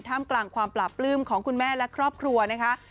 กลางความปราบปลื้มของคุณแม่และครอบครัวนะคะ